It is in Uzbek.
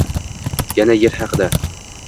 Yana yer haqida